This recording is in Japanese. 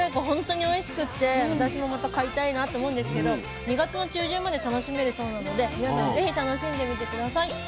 本当においしくて私もまた買いたいなと思うんですけど２月の中旬まで楽しめるそうなので皆さん是非楽しんでみて下さい。